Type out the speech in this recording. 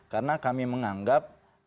karena kami menganggap